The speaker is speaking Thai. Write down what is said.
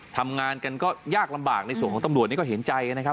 ทำงานกันก็ยากลำบากในส่วนของตำรวจนี่ก็เห็นใจกันนะครับ